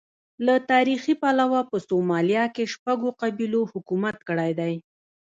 له تاریخي پلوه په سومالیا کې شپږو قبیلو حکومت کړی دی.